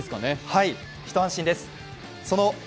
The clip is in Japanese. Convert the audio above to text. はい、一安心です。